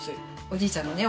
おじいちゃんのね